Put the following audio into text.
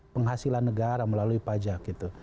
penghasilan negara melalui pajak gitu